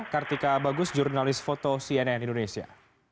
kartika bagus jurnalis foto cnn indonesia